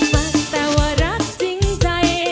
ฟังแต่ว่ารักจริงใจ